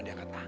tidak ada apa